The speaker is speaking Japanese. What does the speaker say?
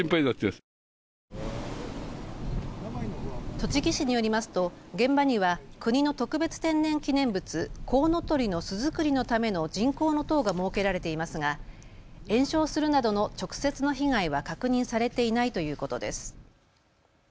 栃木市によりますと現場には国の特別天然記念物、コウノトリの巣作りのための人工の塔が設けられていますが延焼するなどの直接の被害は確認されていないということです。